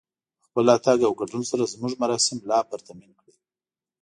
په خپل راتګ او ګډون سره زموږ مراسم لا پرتمين کړئ